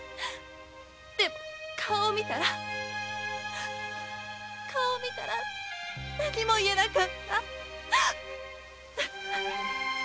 でも顔を見たら顔を見たら何も言えなかった